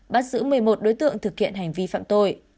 bắt giữ một mươi một đối tượng thực hiện hành vi phạm tội